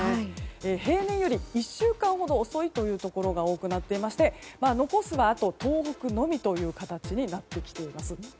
平年より１週間ほど遅いところが多くなっていまして残すは東北のみという形になっています。